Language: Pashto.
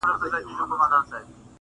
لکه لېوه یې نه ګورې چاته،